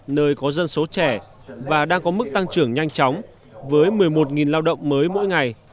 nơi có dân số trẻ và đang có mức tăng trưởng nhanh chóng với một mươi một lao động mới mỗi ngày